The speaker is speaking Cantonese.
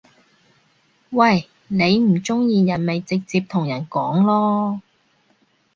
喂！你唔中意人咪直接同人講囉